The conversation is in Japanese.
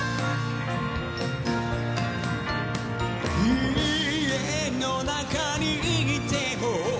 「家の中にいても」